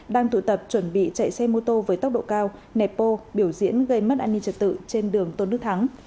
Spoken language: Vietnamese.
đang tụ tập chuẩn bị chạy xe mô tô với tốc độ cao nẹp bô biểu diễn gây mất an ninh trật tự trên đường tôn đức thắng